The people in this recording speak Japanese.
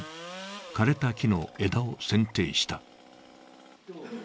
枯れた木の枝をせんていした。